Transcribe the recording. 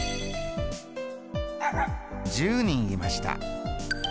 １０人いました。